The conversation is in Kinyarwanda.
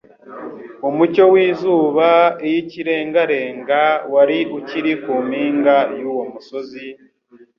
Umucyo w'izuba iy'ikirengarenga, wari ukiri ku mpinga y'uwo musozi,